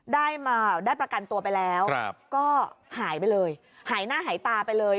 ได้มาได้ประกันตัวไปแล้วก็หายไปเลยหายหน้าหายตาไปเลย